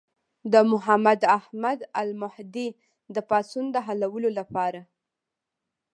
د محمد احمد المهدي د پاڅون د حلولو لپاره.